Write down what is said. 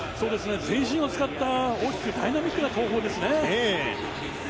全身を使った大きくダイナミックな投法ですね。